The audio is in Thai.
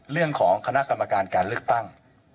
เรื่องของคณะกรรมการการเลือกตั้ง